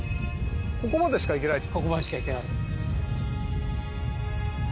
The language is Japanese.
ここまでしか行けない。